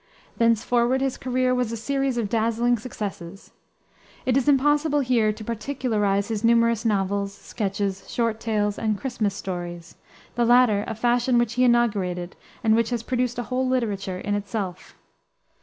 Thenceforward his career was a series of dazzling successes. It is impossible here to particularize his numerous novels, sketches, short tales, and "Christmas Stories" the latter a fashion which he inaugurated, and which has produced a whole literature in itself.